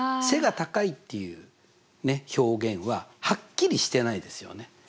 背が高いっていう表現ははっきりしてないですよね。